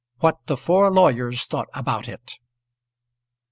WHAT THE FOUR LAWYERS THOUGHT ABOUT IT.